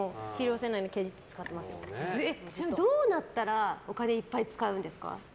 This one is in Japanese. どうなったらお金いっぱい使うんですか？